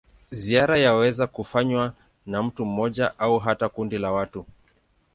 Ziara yaweza kufanywa na mtu mmoja au hata kundi la watu.